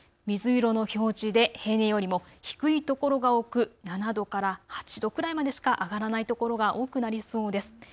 水色の表示で平年よりも低いところが多く７度から８度くらいまでしか上がらないところが多くなりそうです。